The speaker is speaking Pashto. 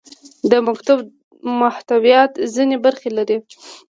د مکتوب محتویات ځینې برخې لري.